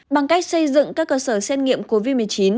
bằng cách xây dựng các cơ sở xét nghiệm covid một mươi chín